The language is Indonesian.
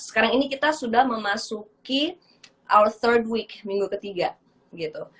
sekarang ini kita sudah memasuki our surd week minggu ketiga gitu